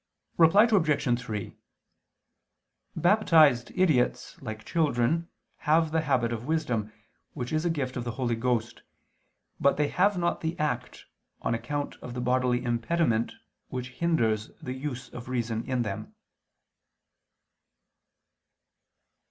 Reply Obj. 3: Baptized idiots, like little children, have the habit of wisdom, which is a gift of the Holy Ghost, but they have not the act, on account of the bodily impediment which hinders the use of reason in them.